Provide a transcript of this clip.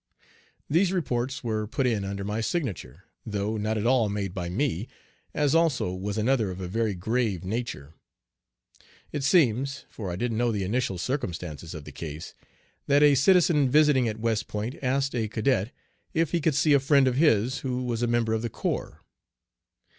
These reports were put in under my signature, though not at all made by me, as also was another of a very grave nature. It seems for I didn't know the initial circumstances of the case that a citizen visiting at West Point asked a cadet if he could see a friend of his who was a member of the corps.